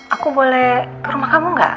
aku boleh ke rumah kamu nggak